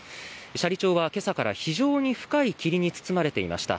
斜里町は今朝から非常に深い霧に包まれていました。